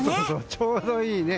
ちょうどいいね。